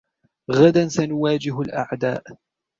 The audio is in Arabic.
غداً سنواجه الأعداء.